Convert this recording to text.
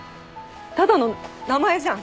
ただの名前じゃん。